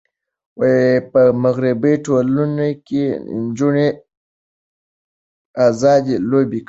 په مغربي ټولنو کې نجونې آزادې لوبې کوي.